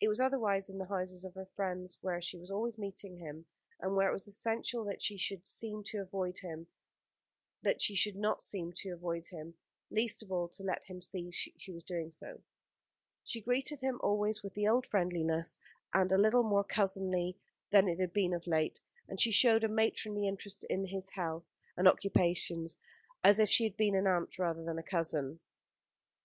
It was otherwise in the houses of her friends, where she was always meeting him, and where it was essential that she should not seem to avoid him, least of all to let him see that she was so doing. She greeted him always with the old friendliness a little more cousinly than it had been of late; and she showed a matronly interest in his health and occupations, as if she had been an aunt rather than a cousin.